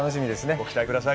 ご期待ください。